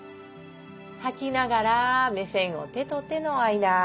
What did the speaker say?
吐きながら目線を手と手の間。